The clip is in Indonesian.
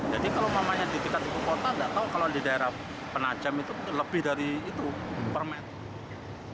jadi kalau namanya di dekat ibu kota nggak tahu kalau di daerah penajam itu lebih dari itu per meter